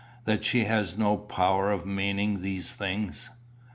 that she has no power of meaning these things?"